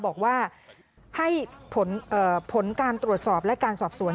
บอกว่าให้ผลการตรวจสอบและการสอบสวน